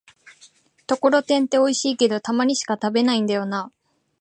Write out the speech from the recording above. ところてんっておいしいけど、たまにしか食べないんだよなぁ